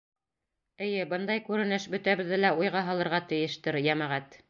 Эйе, бындай күренеш бөтәбеҙҙе лә уйға һалырға тейештер, йәмәғәт.